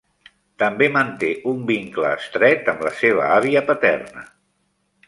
També manté un vincle estret amb la seva àvia paterna.